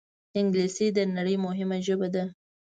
انګلیسي د نړۍ مهمه ژبه ده